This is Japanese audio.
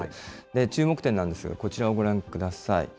注目点なんですが、こちらをご覧ください。